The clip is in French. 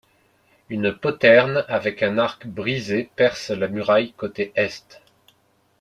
Une poterne avec un arc brisé perce la muraille côté est.